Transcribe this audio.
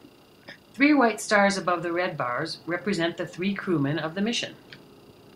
Three white stars above the red bars represent the three crewmen of the mission.